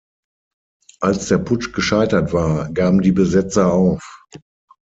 Als der Putsch gescheitert war, gaben die Besetzer auf.